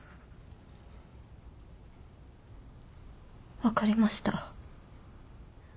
分かりました。